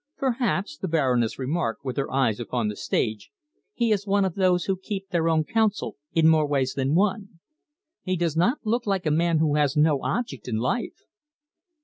"Perhaps," the Baroness remarked, with her eyes upon the stage, "he is one of those who keep their own counsel, in more ways than one. He does not look like a man who has no object in life."